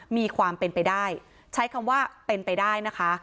มีความเป็นไปได้ใช้คำว่าเป็นไปได้นะคะ